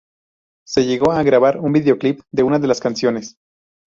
Se llegó a grabar un videoclip de una de las canciones.